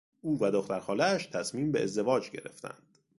او و دختر خالهاش تصمیم به ازدواج گرفتند.